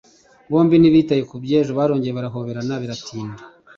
bombi ntibitaye kubyejo barongeye barahoberana biratinda.